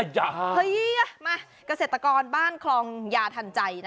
เฮ้ยมากระเศรษฐกรบ้านคลองยาถันใจ